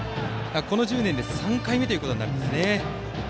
この１０年で３回目ということになるんですね。